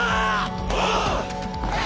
おう！